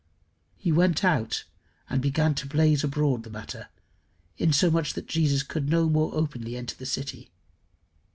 "He went out and began to blaze abroad the matter, insomuch that Jesus could no more openly enter into the city."